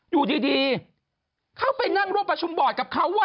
อยู่ดีเข้าไปนั่งร่วมประชุมบอร์ดกับเขา